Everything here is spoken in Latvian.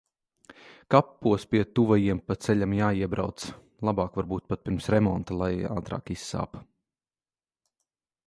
Kapos pie tuvajiem pa ceļam jāiebrauc. Labāk varbūt pat pirms remonta, lai ātrāk izsāp.